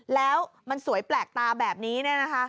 แล้วมันสวยแปลกตาแบบนี้เนี่ยนะคะ